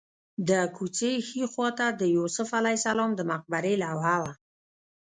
د کوڅې ښي خوا ته د یوسف علیه السلام د مقبرې لوحه وه.